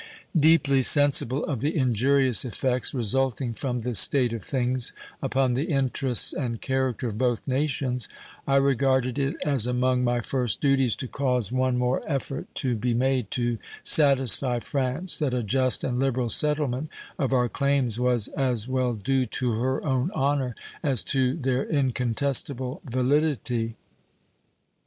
Deeply sensible of the injurious effects resulting from this state of things upon the interests and character of both nations, I regarded it as among my first duties to cause one more effort to be made to satisfy France that a just and liberal settlement of our claims was as well due to her own honor as to their incontestable validity.